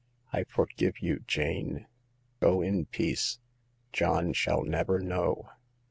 " I forgive you, Jane. Go in peace. John shall never know."